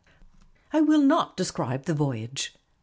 I will not describe the voyage.